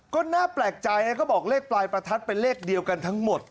ก็น่าแปลกใจนะเขาบอกเลขปลายประทัดเป็นเลขเดียวกันทั้งหมด